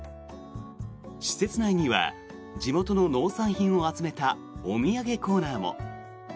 施設内には地元の農産品を集めたお土産コーナーも。